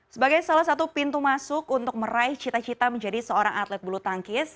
sebagai salah satu pintu masuk untuk meraih cita cita menjadi seorang atlet bulu tangkis